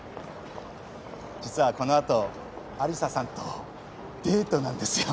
実はこの後有沙さんとデートなんですよ。